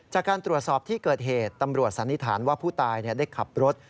จากการตรวจสอบที่เกิดเหตุตำรวจสันนิษฐานว่าผู้ตายได้ขับรถ